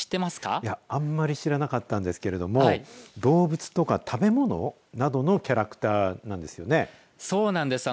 いや、あんまり知らなかったんですけれども動物とか食べ物などのキャラクターなんですよね。